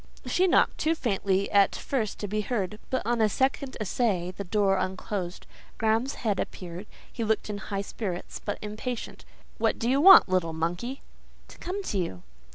She knocked—too faintly at first to be heard, but on a second essay the door unclosed; Graham's head appeared; he looked in high spirits, but impatient. "What do you want, you little monkey?" "To come to you."